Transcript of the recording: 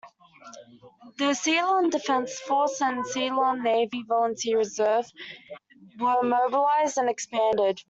The Ceylon Defence Force and Ceylon Navy Volunteer Reserve were mobilised and expanded.